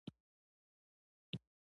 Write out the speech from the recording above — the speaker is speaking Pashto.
لکه مريد د سپينږيري په لاس راپرېوت.